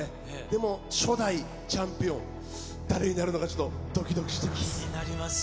でも、初代チャンピオン、誰になるのか、ちょっとどきどきしてます。